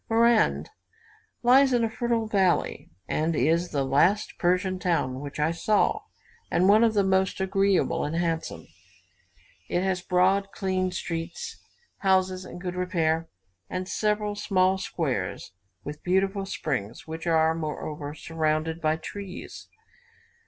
Marand lies in a fertile valley, and is the last Persian town which I saw, and one of the most agreeable and handsome. It has broad, clean streets, houses in good repair, and several small squares with beautiful springs, which are, moreover, surrounded by trees.